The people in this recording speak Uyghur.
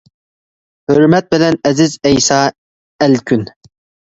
ھۆرمەت بىلەن ئەزىز ئەيسا ئەلكۈن.